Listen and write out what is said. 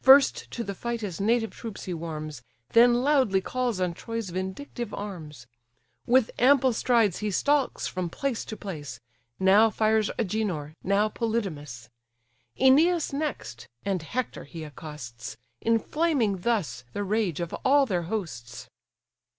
First to the fight his native troops he warms, Then loudly calls on Troy's vindictive arms; With ample strides he stalks from place to place; Now fires Agenor, now Polydamas: Æneas next, and Hector he accosts; Inflaming thus the rage of all their hosts.